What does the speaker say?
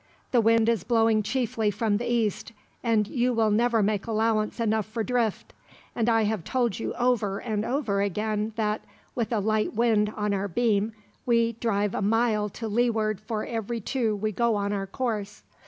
The wind is blowing chiefly from the east, and you will never make allowance enough for drift; and I have told you over and over again that, with a light wind on our beam, we drive a mile to leeward for every two we go on our course.